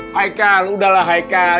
hai kal udahlah hai kal